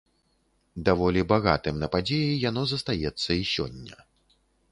Даволі багатым на падзеі яно застаецца і сёння.